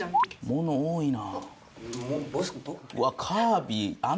物多いな。